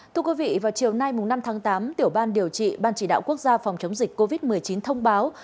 thưa quý vị vào chiều nay năm tháng tám tiểu ban điều trị ban chỉ đạo quốc gia phòng chống dịch covid một mươi chín thông báo